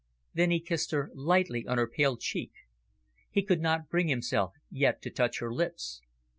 Then he kissed her lightly on her pale cheek. He could not bring himself yet to touch her lips.